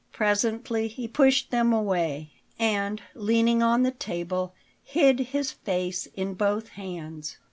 Presently he pushed them away, and, leaning on the table, hid his face in both hands.